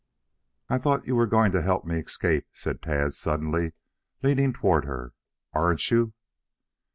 "I thought you were going to help me to escape," said Tad, suddenly leaning toward her. "Aren't you?"